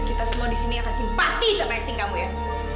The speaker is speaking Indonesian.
kita semua di sini akan simpati sama acting kamu ya